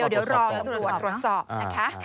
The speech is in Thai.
เดี๋ยวรอตรวจประสอบนะคะ